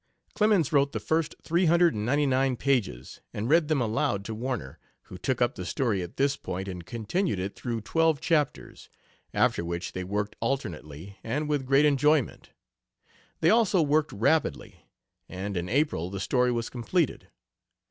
Clemens wrote the first three hundred and ninety nine pages, and read there aloud to Warner, who took up the story at this point and continued it through twelve chapters, after which they worked alternately, and with great enjoyment. They also worked rapidly, and in April the story was completed.